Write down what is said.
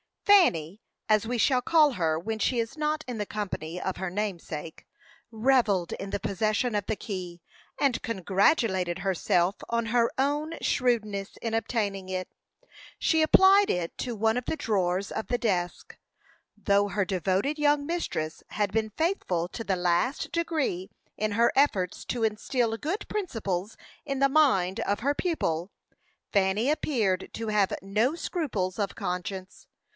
Fanny as we shall call her when she is not in the company of her namesake revelled in the possession of the key, and congratulated herself on her own shrewdness in obtaining it. She applied it to one of the drawers of the desk. Though her devoted young mistress had been faithful to the last degree in her efforts to instil good principles in the mind of her pupil, Fanny appeared to have no scruples of conscience.